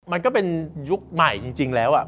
มันก็เป็นยุคใหม่จริงแล้ว